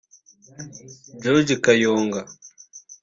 George Kayonga